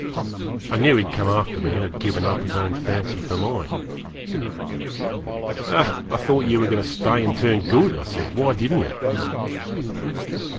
I knew he had come after me, and had given up his own fancy for mine. 'I thought you were going to stay and turn good,' I said. 'Why didn't you?'